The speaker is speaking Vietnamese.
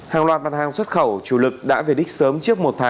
hàng loạt bàn hàng xuất khẩu chủ lực đã về định